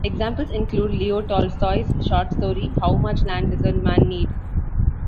Examples include Leo Tolstoy's short story How Much Land Does a Man Need?